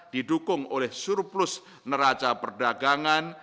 didukung oleh surplus neraca perdagangan